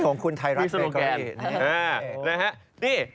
ของคุณไทยรักเมกอรี่